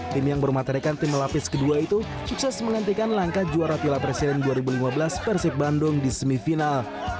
tim yang bermaterikan tim melapis kedua itu sukses menghentikan langkah juara piala presiden dua ribu lima belas persib bandung di semifinal